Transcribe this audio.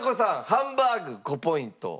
ハンバーグ５ポイント。